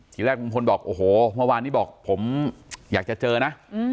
ทีแรกลุงพลบอกโอ้โหเมื่อวานนี้บอกผมอยากจะเจอนะ